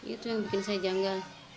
itu yang bikin saya janggal